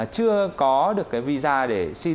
chưa có được visa để xin